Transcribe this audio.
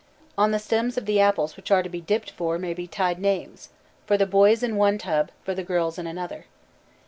On the stems of the apples which are to be dipped for may be tied names; for the boys in one tub, for the girls in another.